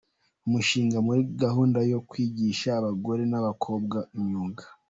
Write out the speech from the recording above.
Umushinga muri gahunda yo kwigisha abagore n’abakobwa imyuga